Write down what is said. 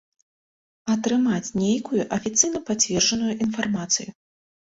Атрымаць нейкую афіцыйна пацверджаную інфармацыю.